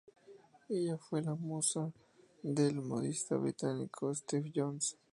Ella fue la musa del modista británico, Stephen Jones.